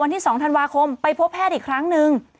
วันที่๒ธันวาคมไปพบแพทย์อีกครั้งนึง